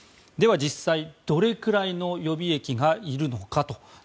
実際、どれぐらいの予備役がいるのか。